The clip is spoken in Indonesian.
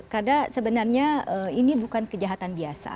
karena sebenarnya ini bukan kejahatan biasa